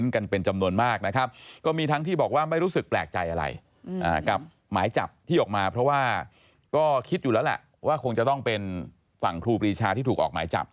กันเป็นจำนวนมากนะครับก็มีทั้งที่บอกว่าไม่รู้สึกแปลกใจอะไรกับหมายจับที่ออกมาเพราะว่าก็คิดอยู่แล้วแหละว่าคงจะต้องเป็นฝั่งครูปรีชาที่ถูกออกหมายจับ